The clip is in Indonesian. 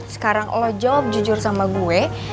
sekarang lo job jujur sama gue